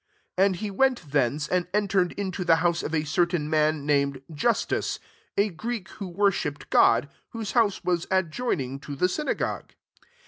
7 And he went thence, and entered into the house of a certain man named Justus, a Greek who worshipped God, whose house was adjoin^ ihg to the synagogue.